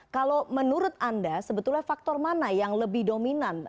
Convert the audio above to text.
kalau menurut anda sebetulnya faktor mana yang lebih dominan